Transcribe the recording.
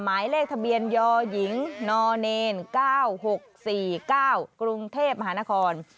หมายเลขทะเบียนยหญิงน๙๖๔๙กรุงเทพมหานคร